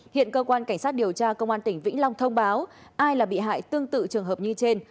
hiện cơ quan cảnh sát điều tra công an tỉnh vĩnh long thông báo ai là bị hại tương tự trường hợp như trên